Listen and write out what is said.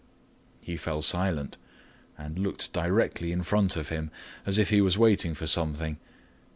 He fell silent and looked directly in front of him, as if he was waiting for something.